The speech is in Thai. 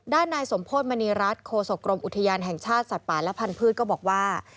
นายสมโพธิมณีรัฐโคศกรมอุทยานแห่งชาติสัตว์ป่าและพันธุ์ก็บอกว่า